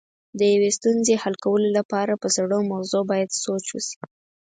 د یوې ستونزې حل کولو لپاره په سړو مغزو باید سوچ وشي.